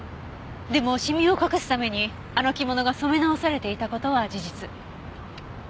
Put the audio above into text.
でもシミを隠すためにあの着物が染め直されていた事は事実。